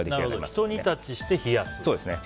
ひと煮立ちして冷やす。